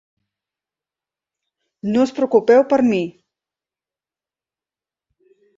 No us preocupeu per mi.